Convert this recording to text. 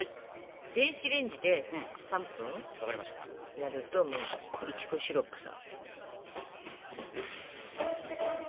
やるともういちごシロップさ。